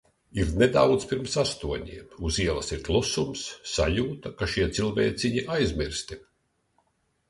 Ir nedaudz pirms astoņiem, uz ielas ir klusums, sajūta, ka šie cilvēciņi aizmirsti.